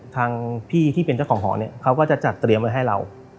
ทางพี่ที่เป็นเจ้าของหอเนี่ยเขาก็จะจัดเตรียมไว้ให้เรา